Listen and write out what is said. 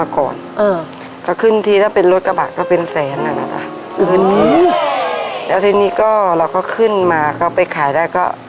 ก็ขึ้นทีถ้าเป็นรถกระบะก็เป็นแสนแล้วทีนี้ก็เราก็ขึ้นมาก็ไปขายได้ก็